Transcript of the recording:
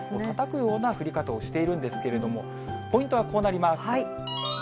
たたくような降り方をしているんですけれども、ポイントはこうなります。